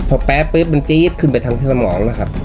พอแป๊ปึ๊บมันจี๊ดขึ้นไปทางที่สมองนะครับ